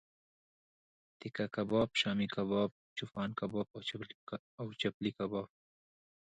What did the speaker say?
تیکه کباب، شامی کباب، چوپان کباب او چپلی کباب